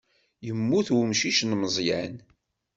Yemmut umcic n Meẓyan.